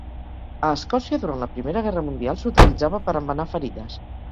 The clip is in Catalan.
A Escòcia, durant la Primera Guerra Mundial, s'utilitzava per embenar ferides.